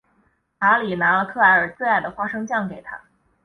查理拿了克莱尔最爱的花生酱给她。